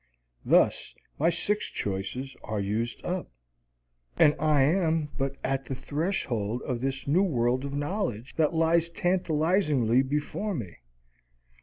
Thus my six choices are used up, and I am but at the threshold of this new world of knowledge that lies tantalizingly before me.